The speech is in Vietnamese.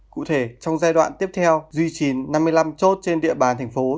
cụ thể trong giai đoạn tiếp theo duy trì năm mươi năm chốt trên địa bàn thành phố